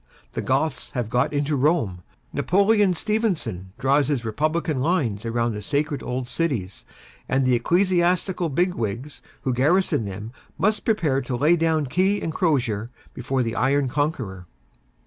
The Goths have got into Rome; Napoleon Stephenson draws his republican lines round the sacred old cities and the ecclesiastical big wigs who garrison them must prepare to lay down key and crosier before the iron conqueror.